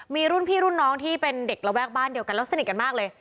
มีรุ่นพี่รุ่นน้องที่เป็นเด็กระแวกบ้านเดียวกันแล้วสนิทกันมากเลย